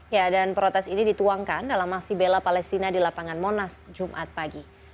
ya dan protes ini dituangkan dalam aksi bela palestina di lapangan monas jumat pagi